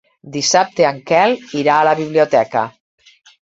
Dissabte en Quel irà a la biblioteca.